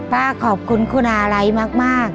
ป้าขอบคุณคุณาไรมาก